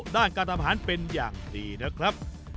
ด้านการทำอาหารเป็นอย่างดีนะครับ